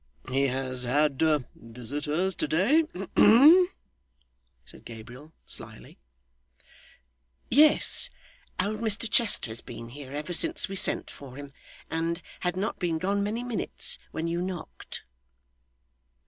'He has had visitors to day humph?' said Gabriel, slyly. 'Yes. Old Mr Chester has been here ever since we sent for him, and had not been gone many minutes when you knocked.